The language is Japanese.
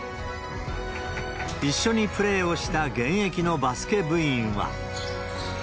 一緒にプレーをした現役のバスケ部員は。